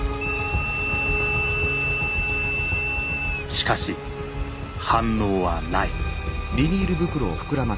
しかし反応はない。